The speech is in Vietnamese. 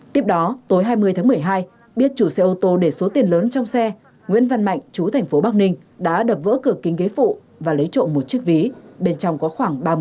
tiếp đó tối hai mươi tháng một mươi hai biết chủ xe ô tô để số tiền lớn trong xe nguyễn văn mạnh chú thành phố bắc ninh đã đập vỡ cửa kính ghế phụ và lấy trộm một chiếc ví bên trong có khoảng ba mươi